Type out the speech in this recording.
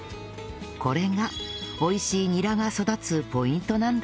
これが美味しいニラが育つポイントなんだとか